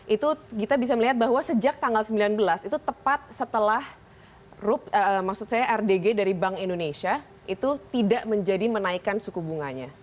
itu kita bisa melihat bahwa sejak tanggal sembilan belas itu tepat setelah rdg dari bank indonesia itu tidak menjadi menaikkan suku bunganya